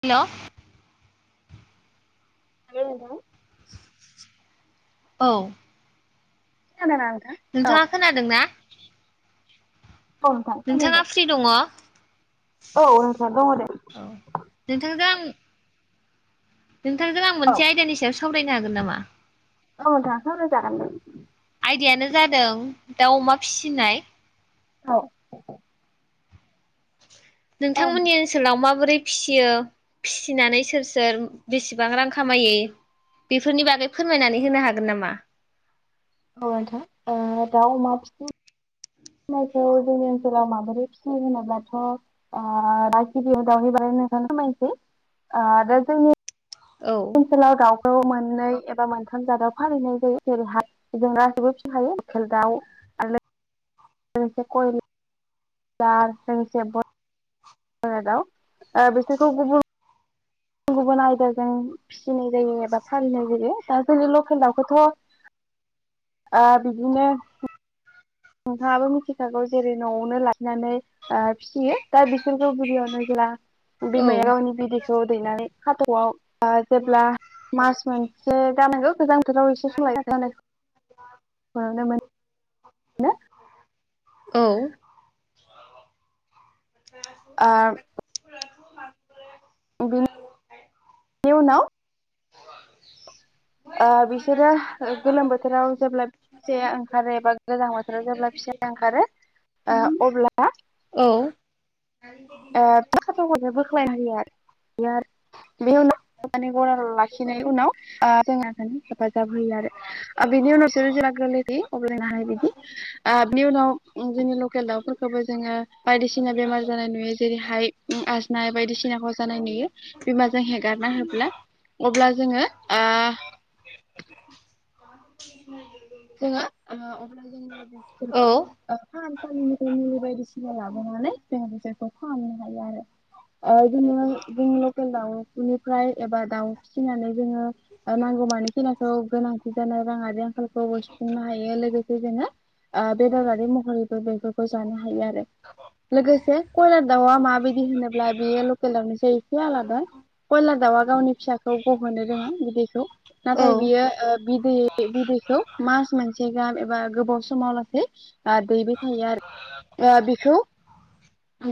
हेल'। [inaudible] औ। [unintelligible] नोंथाङा खोनादों ना खोनादोंना नोंथां? नोंथाङा फ्रि दङ औ नोंथां दङ दे नोंथांजों आं नोंथांजों आं मोनसे आयदानि सायाव सावरायनो हागोन नामा औ दा सावराय जागोन दे आयदायानो जादों दाउ अमा फिसिनाय अ नोंथांमोननि ओनसोलाव माबोरै फिसियो फिसिनानै सोर सोर बेसेबां रां खामायो बेफोरनि बागै फोरमायनानै होनो हागोन नामा औ नोंथां ओ दाउ अमा [unintelligible] फिनायखौ जोंनि ओनसोलाव माबोरै फिसियो होनोब्लाथ' ओ [unintelligible] मोजां फोरमायसै ओ बे जोंनि औ ओनसोलाव दाव खौ मोननै एबा मोनथाम जादाव फालिनाय जायो जेरैहाय जों गासिबो फिसिखायो लकेल दाउ आरो ल जों एसे कय लार जों एसे बय लार दाउ ओ बिसोरखौ गुबुन गुबुन गुबुन आयदाजों फिसिनाय जायो एबा फालिनाय जायो दा जोंनि लकेल दाउखौथ' [inaudible] अ बिदिनो नोंथाङाबो मिथिखागौ जेरै न'आवनो लाखिनानै ओ फिसियो दा बिसोरखौ गिबियावनो जेला औ बिमाया गावनि बिदै दैनानै खााथ'आव ओ जेब्ला मास मोनसे जानांगौ गोजां बोथोराव एसे सम [unintelligible] [unintelligible] बेयावनो मोनो औ [inaudible] ओ बिनि उनाव ओ बिसोरो गोलोम बोथोराव जेब्ला फिसाया ओंखारो एबा गोजां बोथोराव जेब्ला फिसाया ओंखारो ओ अब्ला ओ ओ खाथाख'खो बोख्लायना होयो आरो बे आरो बे उनाव [unintelligible] [unintelligible] हानाय बायदि ओ बिनि उनाव जोंनि लकेल दाउफोरखोबो जोङो बायदिसि ना बेमार जानाय नुयो जेरैहाय उम आजनाय बायदिसिनाखौ जानाय नुयो बिमाजों हेगारना होब्ला अब्ला जोङो ए [inaudible] जोंङो ओ अब्ला जोङो औ बेफोरखौ ओ फाहामसालिनिफ्राय मुलि बायदिसिना लाबोना नानै जों बिसोरखौ फाहामनो हायो आरो ओ जोङो जों लकेल दाउनिफ्राय एबा दाउ फिसिनानै जोङो नांगौ मानि खिनाखौ गोनांथि जानाय राङारि आंखालखौबो सुफुंनो हायो लोगोसे जोङो ओ बेदरारि महरैबो बेफोरखौ जानो हायो आरो लोगोसे कयलार दाउआ माबायदि होनोब्ला बेयो लकेल दाउनिसाय एसे आलादा कयलार दाउआ गावनि फिसाखौ गहोनो रोङो बिदैखौ औ नाथाय बियो ओ बिदै बिदैखौ मास मोनसे गाहाम एबा गोबाव समालासै आ दैबाय थायो आरो ए बिखौ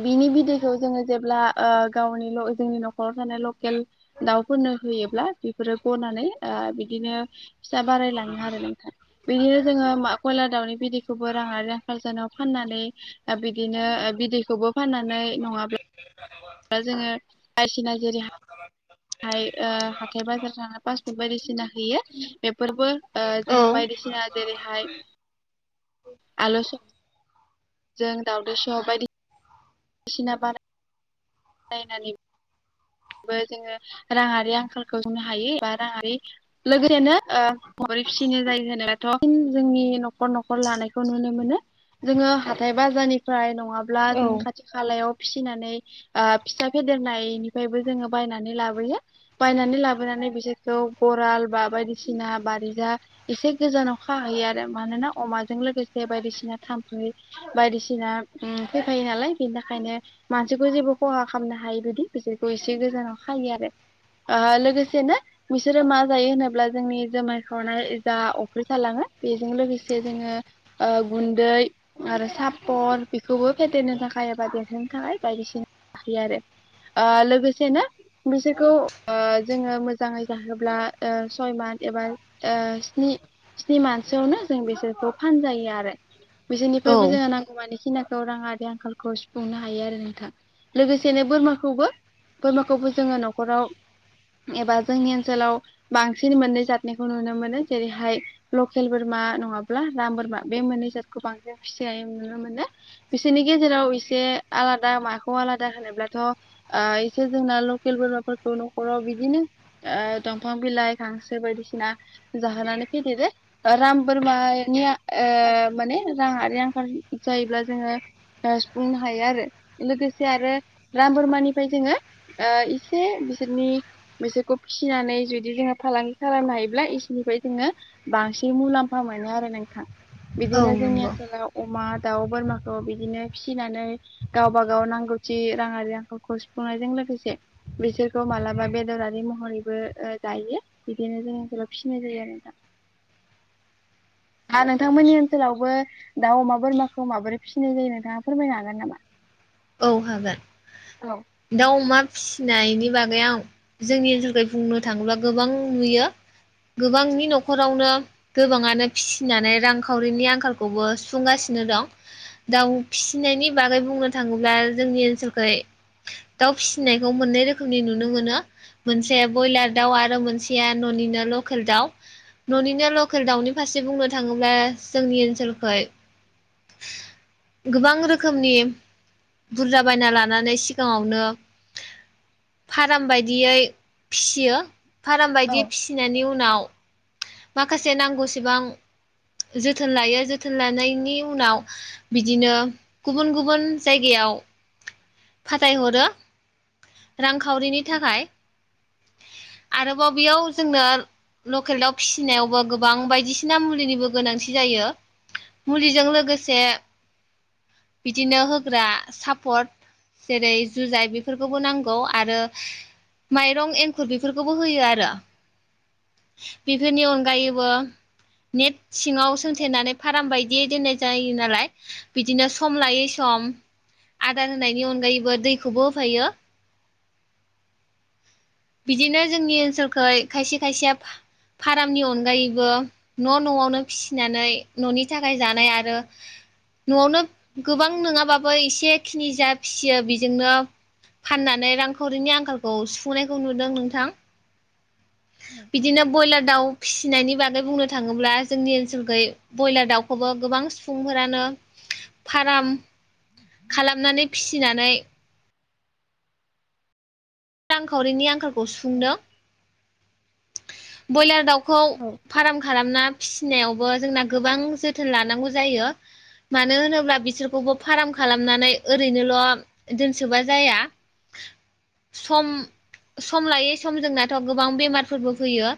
बिनि बिदैखौ जोङो जेब्ला गावनि जोंनि न'खराव थानाय लकेल दाउ नफोरनो होयोब्ला बेफोरो गनानै बिदिनो फिसा बारायलाङो आरो नोंथां। बिदिनो जोङो कयलार दाउनि बिदैखौबो राङारि आंखाल जानायाव फाननानै बिदिनो बिदैखौबो फाननानै नङाब्ला जोङो बायदिसिना जेरै हाथाय बाजार थांना पासफुट बायदिसिना होयो बेफोरबो औ जों बायदि बिसेना जेरैहाय [inaudible] आलु सबजों दाावदै सब बायदिसिना बानाय बानायनानै जोङो राङारि आंखालखौ जोंङो सुफुंनो हायो एबा राङारि लोगोसेनो फिसिनो जायो जेनेबाथ' जोंनि न'खर न'खर लानायखौ नुनो मोनो। जोङो हाथाय बाजारनिफ्राय नङाबा औ खाथि खालायाव फिनानै फिसा फेेदेरनाय बयबो जोंङो बायनानै लाबोयो बिसोरखौ गाराल बा बायदिसिना बा बारिजा एसे गोजानाव खाहैयो आरो मानोना अमाजों लोगोसे बायदिसिना थाम्फै बायदिसिना फैफायो नालाय बिनि थाखायनो मानसिखौ जेबो खहा खालामनो हायो बिदि बिसखौ एसे गोजानाव खायो आरो। लोगोसेनो बिसोरो मा जायो होनोब्ला जोंनि जुमाय खावनाय जा अफ्रिथालाङो बेजों लोगोसे जोङो गुन्दै आरो सापर बेखौबो फेदेरनो थाखाय एबा देरनो थाखाय बायदिसिना आरो लोगोसेनो बिसोरखौ जोङो मोजाङै जाहोब्ला सय मान एबा स्नि स्नि मानसियावनो जों बिसोरखौ फानजायो आरो औ बिसोरनिफ्रायबो जोंङो नांगौ माखिनि राङ आंखालखौ सुफुंनो हायो आरो नोंथां लोगोसेनो बोरमाखौ। खौबो बोरमाखौबो जोङो न'खराव एबा जोंनि ओनसोलाव बांसिन मोननै जाथखौ नुनो मोनो जेरैहाय लकेलफोर मा नङाब्ला राम बोरमा बे मोननै जादखौ बांसिनै फिसिनाय नुनो मोनो बिसोरनि गेजेराव एसे बे आलादा माखौ आलादा होनोब्लाथ' ओ इसे जोंना लकेल बोरमाफोरखौ न'खरफोराव बिदिनो ओ दंफां बिलाइ खांसो। बायदिसिना जाहोनानै फेदेरदो राम बोरमानिया ओ माने राङा। आरो आंखाल जायोब्ला जोङो ओ सुफुंनो हायो आरो लोगोसे आरो। राम बोरमानिफ्राय जोङो इसे बिसोरनि। बिसोरखौ फिसिनानै जुदि जोङो फालांगि खालामनो हायोब्ला इसोरनिफ्राय जोङो बांसिन मुलाम्फा। मोनो आरो नोंथां औ बिदिनो जोंनि नंगौ ओनसोलाव अमा। दाउ बोरमाखौ बिदिनो फिसिनानै गावबा गाव नांगौथि। राङारि आंखालखौ सुफुंनायजों लोगोसे बिसोरखौ मालाबा बेदरारि महरैबो जायो। बिदिनो जोङो जेब फिनाय जायो आरो नोंथां। [inaudible] हा नोंथांमोननि ओनसोलावबो दाव अमा बोरमाखौ माबोरै फिसिनाय जायो नोंथाङा फोरमायनो हागोन नामा। औ औ हागोन दाउ अमा। फिनायनि बागै आं जोंनि ओनसोलख बुंनो थाङोब्ला गोबां नुयो। गोबांनि न'खरावनो गोबाङानो फिसिनानै रांखावरिनि आंखालखौबो सुफुंगासिनो। फिनो दं दाउ फिसिनायनि बागै बुंनो थाङोब्ला जोंनि ओनसोलखै। दाउ फिसिनायखौ मोननै रोखोमनि नुनो मोनो। मोनसेया ब्रयलार दाउ आरो मोनसेया न'निनो लकेल दाउ। न'निनो लकेल दाउनि फारसे बुंनो थाङोब्ला जोंनि ओनसोलखै। [unintelligible] गोबां रोखोमनि बुरजा बायना लानानै सिगाङावनो। फार्म बायदियै फियो फार्म औ बायदियै फिसिनायनि उनाव। माखासे नांगौसेबां जोथोन लायो जोथोन लानायनि। उनाव बिदिनो गुबुन गुबुन जायगायाव। फाथायहरो रांखावरिनि थाखाय। आरोबाव बेयाव जोंनो। लकेल दाउ फिसिनायावबो गोबां बायदिसिना मुलिनिबो गोनांथि जायो। मुलिजों लोगोसे बिदिनो होग्रा सापर्ट। जेरै जुजाइ बेफोरखौबो नांगौ आरो माइ। रं एंखुर बेफोरखौबो होयो आरो बेफोरनि अनगायैबो। नेट सिङाव सोंथेनानै फार्म बायदियै दोननाय जायो नालाय बिदिनो सम लायै सम। सम आदार होनायनि अनगायैबो दैखौबो होफायो। बिदिनो जोंनि ओनसोलखै खायसे खायसेया फा फार्मनि अनगायैबो न न आवनो फिसिनानै ननि थाखाय जानाय आरो। नआवनो गोबां नङाबाबो एसे खिनि जा फिसियो बेजोंनो। फाननानै रांखावरिनि आंखालखौ सुफुंनायखौ नुदों नोंथां। औ बिदिनो ब्रइलार दाउ। फिसिनायनि बागै बुंनो थाङोब्ला जोंनि ओनसोलखै ब्रयलार दाउखौबो गोबां सुबुंफुंफोरानो। फार्म खालामनानै फिसिनानै। रांखावरिनि आंखालखौ सुफुंदों बयलार दाउ। खौ फार्म खालामना फिसिनायावबो जोंना गोबां जोथोन लानांगौ जायो। मानो होनोब्ला बिसोरखौबो फार्म खालामनानै ओरैनोल दोनसोबा जाया। सम। सम लायै समजोंनाथ गोबां बेमारफोरबो फैयो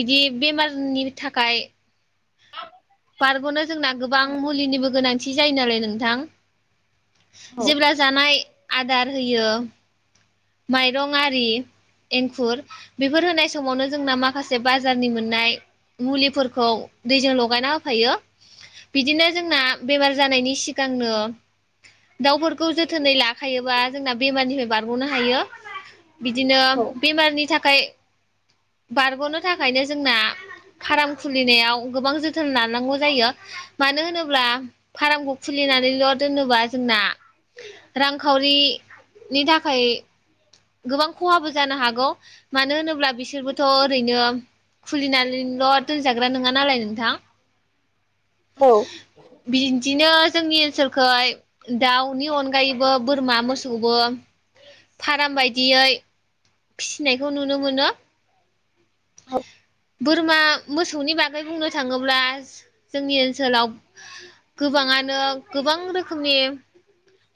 बिदि बेमारनि थाखाय। बारगनो। जोंना गोबां मुलिनिबो गोनांथि जायो नालाय नोंथां। औ जेब्ला जानाय आदार होयो। माइरं आरि। एंखुर बेफोर होनाय समावनो जोंना माखासे बाजारनि मोननाय। मुलिफोरखौ दैजों लगायना होफायो। बिदिनो जोंना बेमार जानायनि सिगांनो। दाउफोरखौ जोथोनै लाखायोबा जोंना बेमारनिफ्राय बारगनो हा हायो बिदिनो बेमारनि थाखाय बारगनो थाखायनो जोंना फार्म खुलिनायाव गोबां जोथोन लानांगौ जायो मानो होनोब्ला फार्मखौ खुलि नानैल दोनोबा जोंना रांखावरिनि थाखाय गोबां खहाबो जानो हागौ मानो होनोब्ला बिसोरबोथ ओरैनो खुलिनानैल दोनजाग्रा नङा नालाय नोंथां। औ बिदिनो जोंनि ओनसोलखै दाउनि अनगायैबो बोरमा मोसौबो फार्म बायदियै फिसिनायखौ नुनो मोनो। [inaudible] बोरमा मोसौनि बागै बुंनो थाङोब्ला जोंनि ओनसोलाव- गोबाङानो गोबां रोखोमनि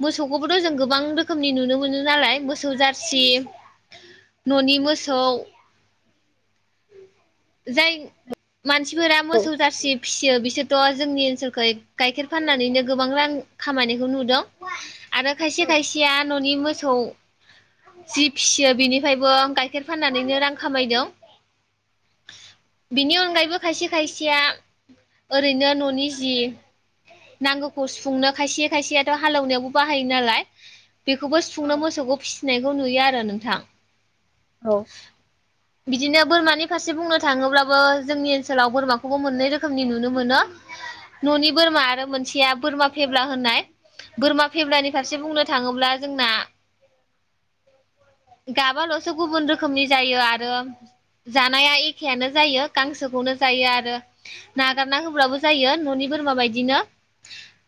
मोसौखौबोथ जों गोबां रोखोमनि नुनो मोनो नालाय मोसौ जारसि ननि मोसौ जाय मानसिफोरा मोसौ जारसि फिसियो बिसोर थ जोंनि ओनसोलखै गाइखेर फाननानैनो गोबां रां खामायनायखौ नुदों आरो खायसे खायसेया ननि मोसौ जि फिसियो- बिनिफ्रायबो गाइखेर फाननानैनो रां खामायदों। बिनि अनगायैबो खायसे खायसेया ओरैनो ननि जि नांगौखौ सुफुंनो खायसे खायसेयाथ हालेवनायावबो बाहायो नालाय- बेखौबो सुफुंनो मोसौखौ फिसिनायखौ नुयो आरो नोंथां। औ। बिदिनो बोरमानि फारसे बुंनो थाङोब्लाबो जोंनि ओनसोलाव बोरमाखौबो मोननै रोखोमनि नुनो मोनो न'नि बोरमा आरो मोनसेया बोरमा फेब्ला होननाय। बोरमा फेबब्लानि फारसे बुंनो थाङोब्ला जोंना गाबाल'सो गुबुन रोखोमनि जायो आरो जानाया एखेयानो जायो। गांसोखौनो जायो आरो नागारना होब्लााबो जायो न'नि बोरमा बायदिनो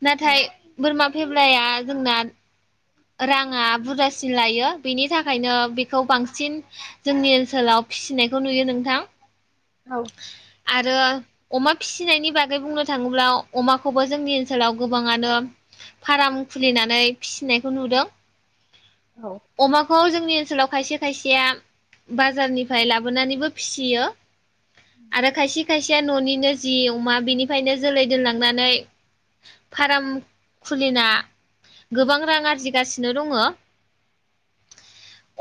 नाथाय बोरमा फेब्लाया जोंना राङा बुरजासिन लायो बेनि थाखायनो बेखौ बांसिन जोंनि ओनसोलाव फिसिनायखौ नुयो नोंथां। औ आरो अमा फिसिनायनि बागै बुंनो थाङोब्ला अमाखौबो जोंनि ओनसोलाव गोबाङानो फार्म खुलिनानै फिसिनायखौ नुदों। औ अमाखौ जोंनि ओनसोलाव खायसे खायसेया बाजारनिफ्राय लाबोनानैबो फिसियो। आरो खायसे खायसेया न'निनो जि अमा बिनिफ्रायनो जोलै दोनलांनानै फार्म खुलिना गोबां रां आरजिगासिनो दङ।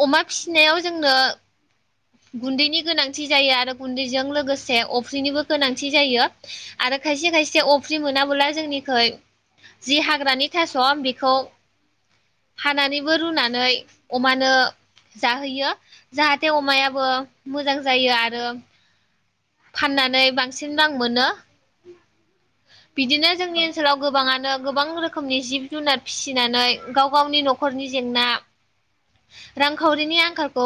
अमा फिसिनायाव जोंनो गुन्दैनि गोनांथि जायो आरो गुन्दैजों लोगोसे अफ्रिनिबो गोनांथि जायो आ रो खायसे खायसे अफ्रि मोनाबोला जोंनिखै जि हाग्रानि थास' आं बेखौ हानानैबो रुनानै अमानो जाहोयो जाहाथे अमायाबो मोजां जायो आरो फाननानै बांसिन रां मोनो। बिदिनो जोंनि औ ओनसोलाव गोबाङानो गोबां रोखोमनि जिब-जुनार फिसिनानै गाव गावनि न'खरनि जेंना रांखावरिनि आंखालखौ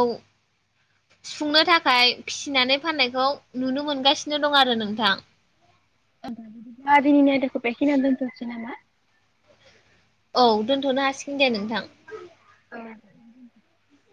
सुफुंनो थाखाय फिसिनानै फाननायखौ नुनो मोनगासिनो दं आरो नोंथां। दिनैनि आयदाखौ बेखिनियावनो दोनथ निसै नामा? औ दोनथनो हासिगोन दे नोंथां। औ